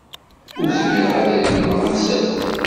Ur zmireɣ ad regmeɣ amsaltu.